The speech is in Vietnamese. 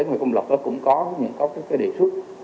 ngoài công lập cũng có những cái đề xuất